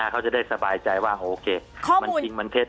เขาจะได้สบายใจว่าโอเคมันจริงมันเท็จ